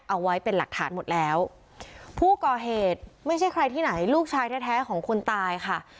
เอาไว้เป็นหลักฐานหมดแล้วผู้ก่อเหตุไม่ใช่ใครที่ไหนลูกชายแท้แท้ของคนตายค่ะ